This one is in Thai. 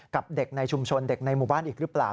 กับเด็กในชุมชนเด็กในหมู่บ้านอีกหรือเปล่า